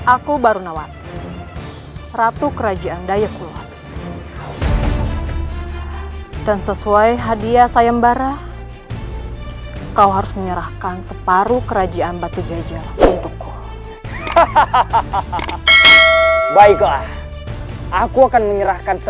aku baru nawat ratu kerajaan dayakulat dan sesuai hadiah sayembara kau harus menyerahkan